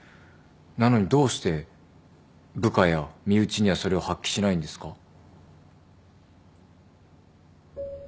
なのにどうして部下や身内にはそれを発揮しないんですか？